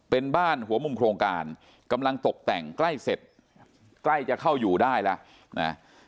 เป็นบ้านหัวมุมโครงการกำลังตกแต่งใกล้เสร็จใกล้จะเข้าอยู่ได้แล้วนะ